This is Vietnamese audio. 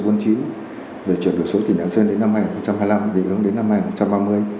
về chuyển đổi số tỉnh lạng sơn đến năm hai nghìn hai mươi năm định hướng đến năm hai nghìn ba mươi